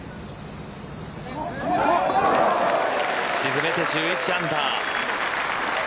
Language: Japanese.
沈めて１１アンダー。